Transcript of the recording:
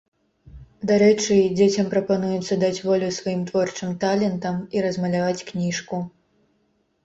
Дарэчы, дзецям прапануецца даць волю сваім творчым талентам і размаляваць кніжку.